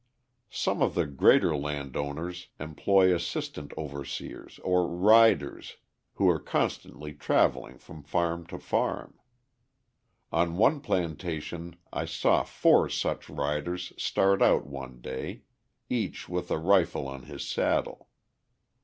Some of the greater landowners employ assistant overseers or "riders" who are constantly travelling from farm to farm. On one plantation I saw four such riders start out one day, each with a rifle on his saddle.